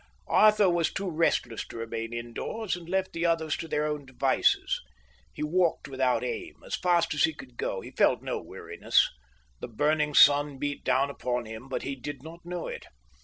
Arthur was too restless to remain indoors and left the others to their own devices. He walked without aim, as fast as he could go; he felt no weariness. The burning sun beat down upon him, but he did not know it.